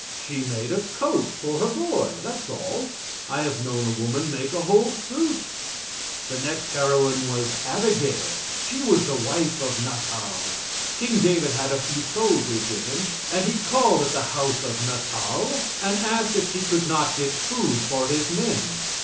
She made a coat for her boy; that's all. I have known a woman make a whole suit! The next heroine was Abigail. She was the wife of Natal. King David had a few soldiers with him, and he called at the house of Natal, and asked if he could not get food for his men.